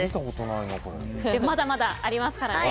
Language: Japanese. まだまだありますからね。